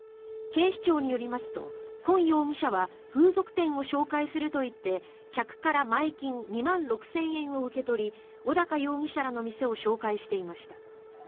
警視庁によりますと、今容疑者は風俗店を紹介すると言って客から前金２万６０００円を受け取り小高容疑者らの店を紹介していました。